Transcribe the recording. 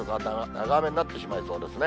長雨になってしまいそうですね。